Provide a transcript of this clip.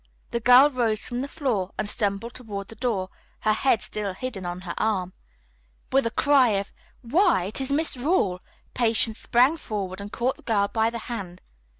The girl rose from the floor and stumbled toward the door, her head still hidden on her arm. With a cry of, "Why, it is Miss Rawle!" Patience sprang forward and caught the girl by the hand.